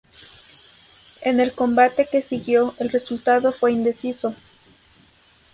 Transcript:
En el combate que siguió, el resultado fue indeciso.